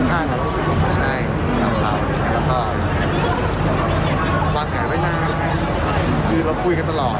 คือเราคุยกันตลอด